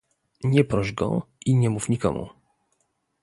"nie proś go i nie mów nikomu."